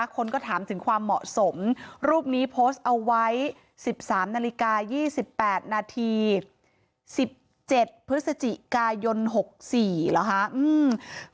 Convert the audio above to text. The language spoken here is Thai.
คนก็ถามถึงความเหมาะสมรูปนี้โพสต์เอาไว้๑๓นาฬิกา๒๘นาที๑๗พฤศจิกายน๖๔เหรอคะ